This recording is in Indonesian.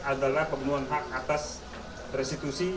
adalah pembunuhan hak atas restitusi